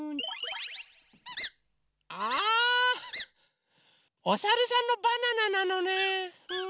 あおさるさんのバナナなのねふん。